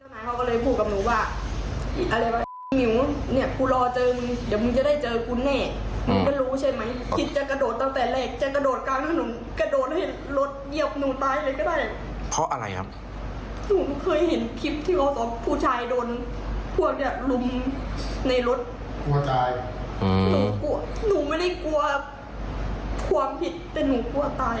มีความผิดแต่หนูกลัวตายครับเพราะหนูมีลูก